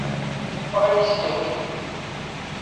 Ffeɣ-iyi syagi!